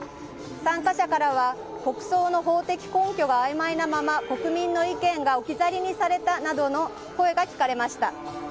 参加者からは国葬の法的根拠があいまいなまま国民の意見が置き去りにされたなどの声が聞かれました。